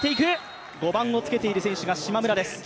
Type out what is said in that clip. ５番をつけている選手が島村です。